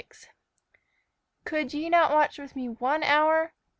_ "Could ye not watch with me one hour?"